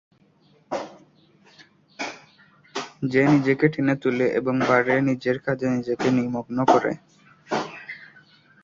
সে নিজেকে টেনে তোলে এবং বারে নিজের কাজে নিজেকে নিমগ্ন করে।